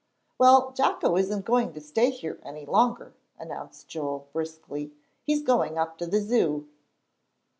"Well, Jocko isn't going to stay here any longer," announced Joel, briskly. "He's going up to the Zoo."